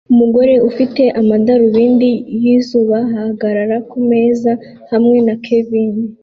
Umugore ufite amadarubindi yizuba ahagarara kumeza hamwe na kevin